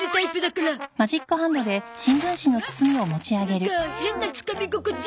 なんか変なつかみ心地。